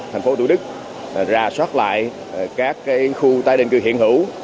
thành phố tù đức ra soát lại các cái khu tái định cư hiện hữu